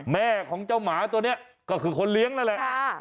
แม่ของเจ้าหมาตัวนี้ก็คือคนเลี้ยงนั่นแหละ